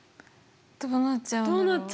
どうなっちゃうの？